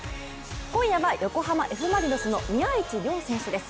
今夜は横浜Ｆ・マリノスの宮市亮選手です。